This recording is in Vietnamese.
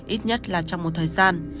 ít nhất là trong một thời gian